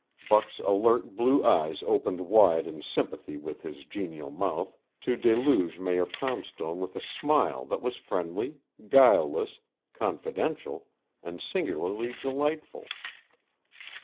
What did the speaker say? Buck's alert blue eyes opened wide in sympathy with his genial mouth, to deluge Mayor Poundstone with a smile that was friendly, guileless, confidential, and singularly delightful.